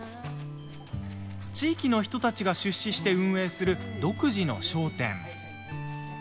地域の人たちが出資して運営する独自の商店。